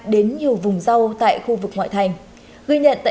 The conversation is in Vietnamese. đến nhiều vùng râu tại khu vực ngoại thành